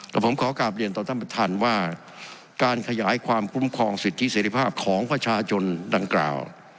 แต่ผมขอกลับเรียนต่อท่านประธานว่าการขยายความคุ้มครองสิทธิเสร็จภาพของประชาชนดังกล่าว